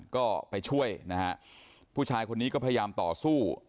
ก็ไปช่วยนะฮะผู้ชายคนนี้ก็พยายามต่อสู้